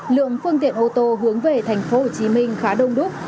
lượng phương tiện ô tô hướng về tp hcm khá đông đúc